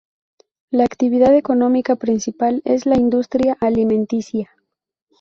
La actividad económica principal es la industria alimenticia.